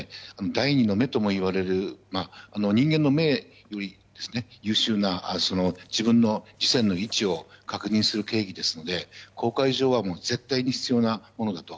第２の目ともいわれる人間の目より優秀な自船の位置を確認する計器ですので航海上は絶対に必要なものだと。